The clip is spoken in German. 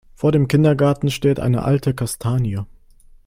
Vor dem Kindergarten steht eine alte Kastanie.